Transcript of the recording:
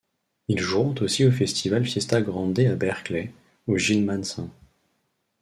Ils joueront aussi au festival Fiesta Grande à Berkley, au Gilman St.